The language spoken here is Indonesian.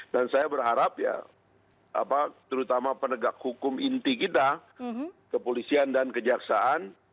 dan saya berharap ya terutama penegak hukum inti kita kepolisian dan kejaksaan